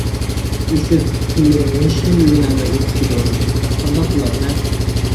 ئىسىت، كۈنلىرىم ھېچنېمە ئۆگىنەلمەي ئۆتۈپ كېتىۋاتىدۇ. قانداق قىلارمەن؟